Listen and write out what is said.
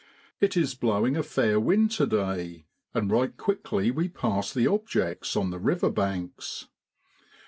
It is blowing a fair wind to day, and right quickly we pass the objects on the river banks.